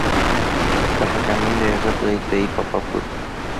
tahekami ndéve sapy'aite ipapapy.